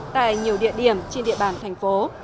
tại nhiều địa điểm trên địa bàn thành phố